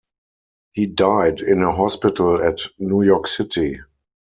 He died in a hospital at New York City.